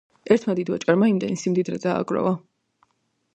ერთმა დიდვაჭარმა იმდენი სიმდიდრე დააგროვა.